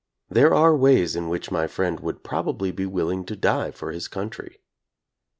There are ways in which my friend would probably be willing to die for his country.